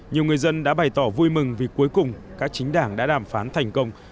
nhiều người dân đã bày tỏ vui mừng vì cuối cùng các chính đảng đã đàm phán thành công